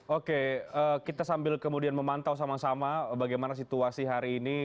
oke kita sambil kemudian memantau sama sama bagaimana situasi hari ini